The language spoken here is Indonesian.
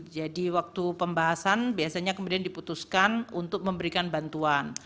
jadi waktu pembahasan biasanya kemudian diputuskan untuk memberikan bantuan